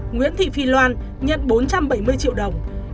nguyễn thị phi loan nhận bốn trăm bảy mươi triệu đồng